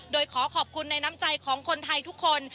โดยขอขอบคุณในน้ำใจของคนไทยทุกคน